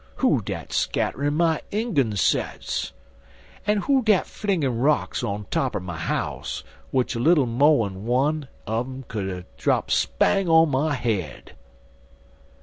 Who dat scatterin' my ingun sets? Who dat flingin' rocks on top er my house, w'ich a little mo' en one un em would er drap spang on my head?"